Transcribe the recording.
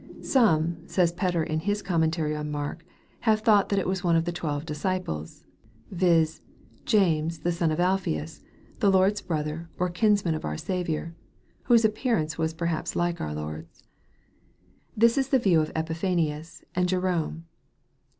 " Some," says Fetter in his commentary on Mark, " have thought that it was one of the twelve disciples, viz., James the son of Alpheus, the Lord's brother, or kinsman of our Saviour (whose appearance was perhaps like our Lord's)." This is the view of Epiphanius and Jerome.